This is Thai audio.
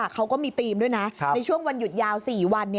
เขาก็มีธีมด้วยนะในช่วงวันหยุดยาว๔วัน